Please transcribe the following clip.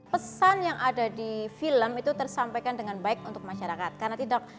pesan yang ada di film itu tersampaikan dengan baik untuk masyarakat karena tidak